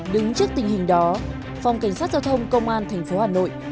đứng trước tình hình đó phòng cảnh sát giao thông công an thành phố hà nội